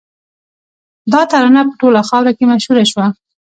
دا ترانه په ټوله خاوره کې مشهوره شوه